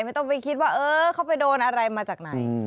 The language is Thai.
ไม่ต้องไปคิดว่าเออเขาไปโดนอะไรมาจากไหน